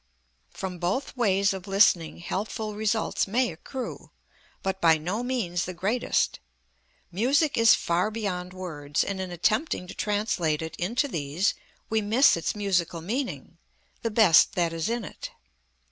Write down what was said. From both ways of listening helpful results may accrue, but by no means the greatest. Music is far beyond words, and in attempting to translate it into these we miss its musical meaning, the best that is in it.